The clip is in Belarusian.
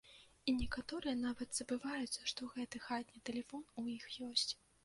І некаторыя нават забываюцца, што гэты хатні тэлефон у іх ёсць.